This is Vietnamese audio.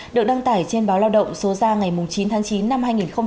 được đăng tải trên báo lao động số ra ngày chín tháng chín năm hai nghìn một mươi chín